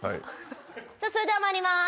さあそれではまいります